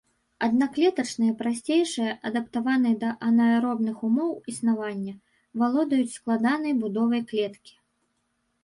Аднаклетачныя прасцейшыя, адаптаваныя да анаэробных умоў існавання, валодаюць складанай будовай клеткі.